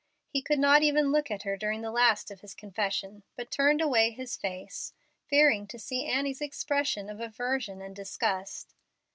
He could not even look at her during the last of his confession, but turned away his face, fearing to see Annie's expression of aversion and disgust.